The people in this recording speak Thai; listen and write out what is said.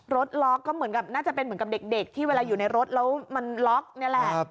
ล็อกก็เหมือนกับน่าจะเป็นเหมือนกับเด็กที่เวลาอยู่ในรถแล้วมันล็อกนี่แหละ